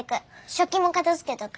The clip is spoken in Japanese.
食器も片づけとく。